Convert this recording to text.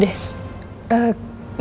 biar kamu jaga renan di sini